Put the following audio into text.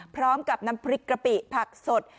พร้อมกับน้ำพริกกะปิผักสด